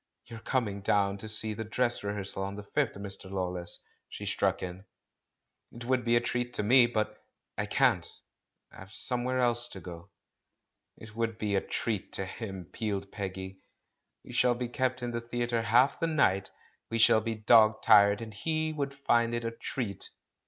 "You're coming down to see the dress rehearsal on the 5th, Mr. 1 awless?" she struck in. "It would be a treat to me, but I can't; I've somewhere else to go.'* "It would be a 'treat' to himl" pealed Peggy. "We shall be kept in the theatre half the night — we shall be dog tired — and he would find it a 'treat'!